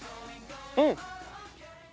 うん！